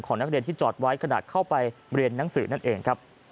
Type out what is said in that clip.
นักเรียนที่จอดไว้ขนาดเข้าไปเรียนหนังสือนั่นเองครับ